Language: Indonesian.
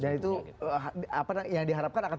jadi itu yang diharapkan akan